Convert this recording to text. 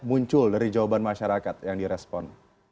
muncul dari jawaban masyarakat yang direspon